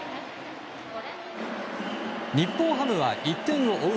日本ハムは１点を追う